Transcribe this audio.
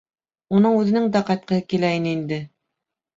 Уның үҙенең дә ҡайтҡыһы килә ине инде.